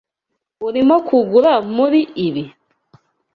Urimo kugura muri ibi?